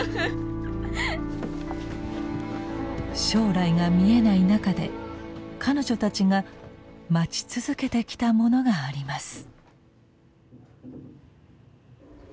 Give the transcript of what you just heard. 将来が見えない中で彼女たちが待ち続けてきたものがあります。